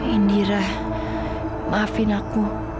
indira maafin aku